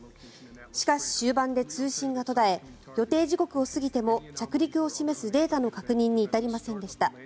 しかし、終盤で通信が途絶え予定時刻を過ぎても着陸を示すデータの確認に至りませんでした。